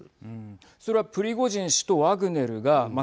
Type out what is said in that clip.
それはプリゴージン氏とワグネルがまあ